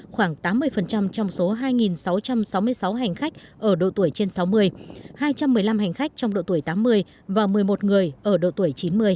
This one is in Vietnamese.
khoảng tám mươi trong số hai sáu trăm sáu mươi sáu hành khách ở độ tuổi trên sáu mươi hai trăm một mươi năm hành khách trong độ tuổi tám mươi và một mươi một người ở độ tuổi chín mươi